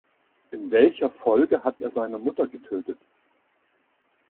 In welcher Folge hat er seine Mutter getötet?